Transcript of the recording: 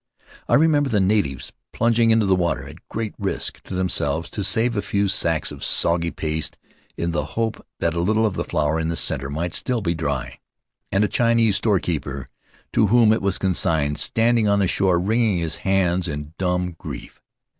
I remember the natives plunging into the water at great risk to them selves to save a few sacks of soggy paste in the hope that a little of the flour in the center might still be dry; and a Chinese storekeeper, to whom it was consigned, standing on the shore, wringing his hands in dumb grief.